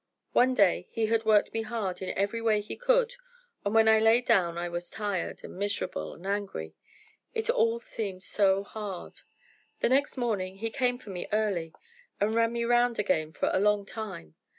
One day he had worked me hard in every way he could, and when I lay down I was tired, and miserable, and angry; it all seemed so hard. The next morning he came for me early, and ran me round again for a long time.